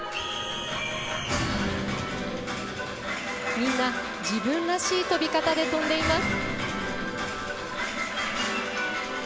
みんな自分らしい飛び方で飛んでいます。